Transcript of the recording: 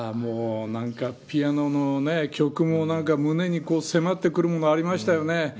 ピアノの曲も胸に迫ってくるものがありましたよね。